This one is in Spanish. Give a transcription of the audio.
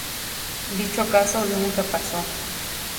Dicho caso nunca pasó.